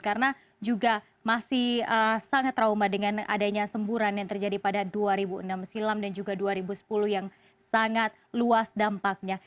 karena juga masih sangat trauma dengan adanya semburan yang terjadi pada dua ribu enam silam dan juga dua ribu sepuluh yang sangat luas dampaknya